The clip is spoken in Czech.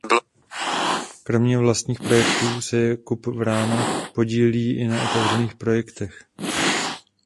Kromě vlastních projektů se Jakub Vrána podílí i na otevřených projektech.